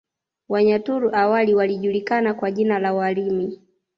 Wanyaturu awali walijulikana kwa jina la Warimi